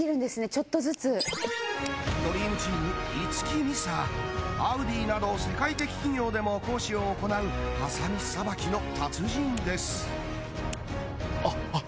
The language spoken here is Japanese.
ちょっとずつドリームチーム・樹弥沙アウディなど世界的企業でも講師を行うハサミ捌きの達人ですあっあっ